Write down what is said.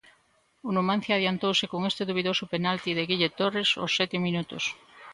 O Numancia adiantouse con este dubidoso penalti de Guille Torres aos sete minutos.